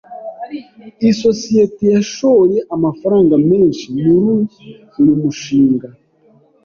Isosiyete yashoye amafaranga menshi muri uyu mushinga.